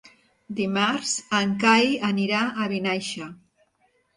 Dimarts en Cai anirà a Vinaixa.